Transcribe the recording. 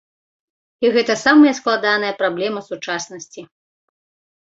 І гэта самая складаная праблема сучаснасці.